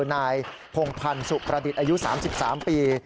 นายพงพันธ์สุประดิษฐ์อายุ๓๓ปี